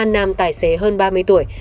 nam tài xế hơn ba mươi tuổi